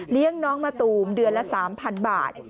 เลี้ยงน้องมาตูมเดือนละ๓๐๐๐บาท